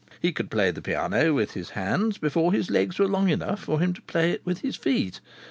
He could play the piano with his hands before his legs were long enough for him to play it with his feet.